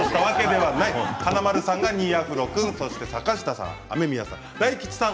華丸さんが２アフロ君坂下さん、雨宮さん、大吉さん